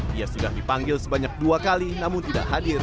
dia sudah dipanggil sebanyak dua kali namun tidak hadir